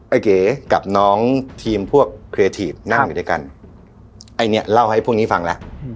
เก๋กับน้องทีมพวกเคลียร์ทีฟนั่งอยู่ด้วยกันไอ้เนี้ยเล่าให้พวกนี้ฟังแล้ว